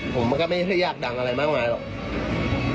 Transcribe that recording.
ผมมันก็ไม่ให้ยากดังอะไรมากมายหรอก